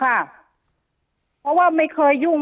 เพราะว่าไม่เคยยุ่ง